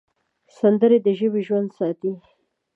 سندره د ژبې ژوند ساتي